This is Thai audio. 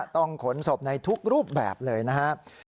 ต้องขนศพในทุกรูปแบบเลยนะฮะ